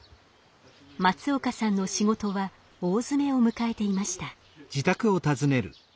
松岡さんの仕事は大詰めを迎えていました。